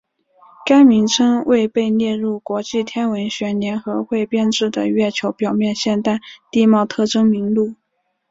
该名称未被列入国际天文学联合会编制的月球表面现代地貌特征名录。